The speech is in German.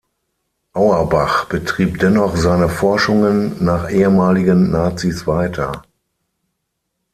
Auerbach betrieb dennoch seine Forschungen nach ehemaligen Nazis weiter.